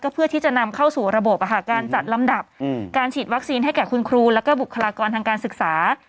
เพื่อที่จะนำเข้าสู่ระบบการจัดลำดับการฉีดวัคซีนให้แก่คุณครูแล้วก็บุคลากรทางการศึกษา